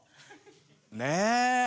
ねえ。